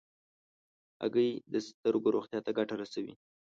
هګۍ د سترګو روغتیا ته ګټه رسوي.